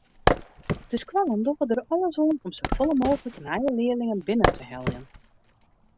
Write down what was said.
De skoallen dogge der alles oan om safolle mooglik nije learlingen binnen te heljen.